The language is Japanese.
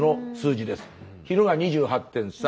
昼が２８．３。